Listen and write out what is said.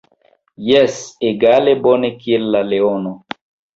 Jes, egale bone kiel la leono.